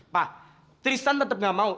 pak tristan tetep gak mau